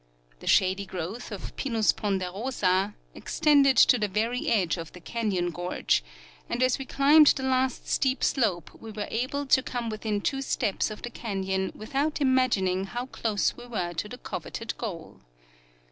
The shady growth of Finus iwnderosa extended to the very edge of the canyon gorge, and as we climbed the last steep slope we were able to come within two steps of the canyon without imagining how close Ave were to the coveted goal.